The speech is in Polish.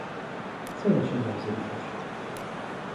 "Co ja się mam wzruszać!"